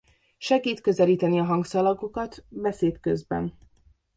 Segít közelíteni a hangszalagokat beszéd közben.